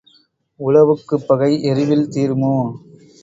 உழவுக்குப் பகை எருவில் தீருமோ?